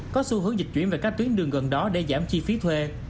có xu hướng dịch chuyển về các tuyến đường gần đó để giảm chi phí thuê